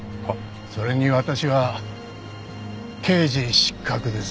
それに私は刑事失格です。